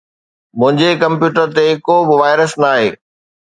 منهنجي ڪمپيوٽر تي ڪو به وائرس ناهي.